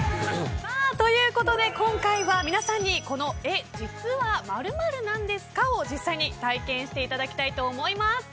今回は皆さんに「え！実は○○なんですか？」を実際に体験していただきたいと思います。